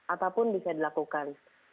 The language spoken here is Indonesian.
apapun bisa dilakukan